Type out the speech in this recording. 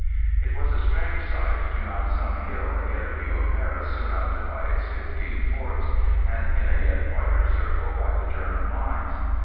It was a strange sight to mount some hill and get a view of Paris surrounded by its fifteen forts, and in a yet wider circle by the German lines.